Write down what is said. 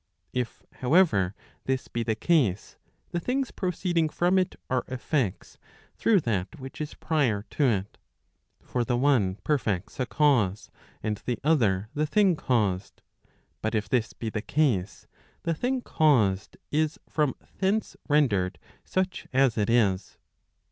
If, however, this be the case, the things proceeding from it are effects through that which is prior to it. For the one perfects a cause, and the other the thing caused. But if this be the case, the thing caused is from thence rendered such as it is.